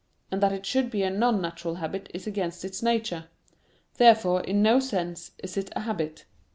And that it should be a non natural habit is against its nature. Therefore in no sense is it a habit.